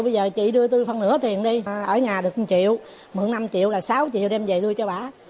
bây giờ chị đưa tôi phần nửa tiền đi ở nhà được một triệu mượn năm triệu là sáu triệu đem về đưa cho bà